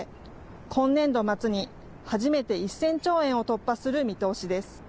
今年度末に初めて１０００兆円を突破する見通しです。